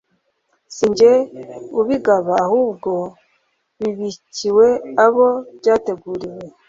si jye ubigaba ahubwo bibikiwe abo byateguriwe